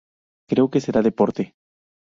Creo que será deporte".